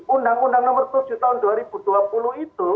undang undang nomor tujuh tahun dua ribu dua puluh itu